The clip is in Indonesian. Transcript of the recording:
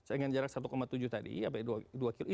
dengan jarak satu tujuh tadi sampai dua kilo